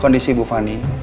kondisi ibu fani